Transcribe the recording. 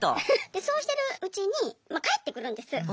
でそうしてるうちにまあ返ってくるんです。